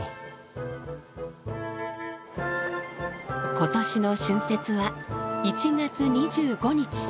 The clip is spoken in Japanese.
今年の春節は１月２５日。